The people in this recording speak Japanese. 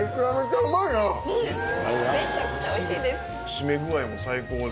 締め具合も最高で。